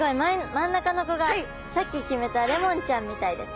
真ん中の子がさっき決めたレモンちゃんみたいですね。